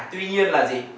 tuy nhiên là gì